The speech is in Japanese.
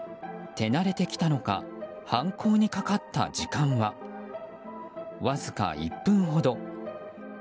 手慣れてきたのか犯行にかかった時間はわずか１分ほど。